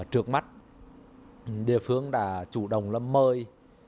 trước mắt địa phương đã chủ động là mời